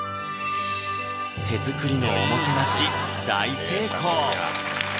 手作りのおもてなし大成功！